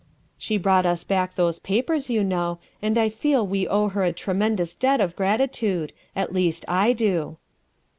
She brought us back those papers, you know, and I feel we owe her a tremendous debt of gratitude at least, I do.